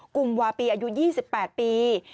กลุ่มวาปีอายุ๒๘ปี